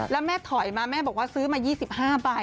แล้วแม่ถอยมาแม่บอกว่าซื้อมา๒๕ใบ